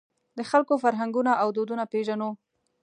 د خلکو فرهنګونه او دودونه پېژنو.